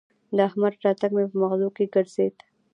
د احمد راتګ مې به مغزو کې ګرځېدل